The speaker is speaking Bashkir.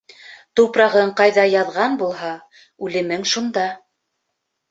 Тупрағың ҡайҙа яҙған булһа, үлемең шунда.